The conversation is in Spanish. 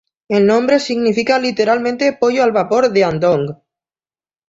El nombre significa literalmente "pollo al vapor de Andong.